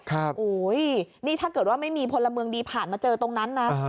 โอ้โหนี่ถ้าเกิดว่าไม่มีพลเมืองดีผ่านมาเจอตรงนั้นนะ